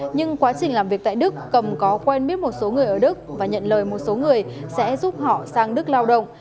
nhưng quá trình làm việc tại đức cầm có quen biết một số người ở đức và nhận lời một số người sẽ giúp họ sang đức lao động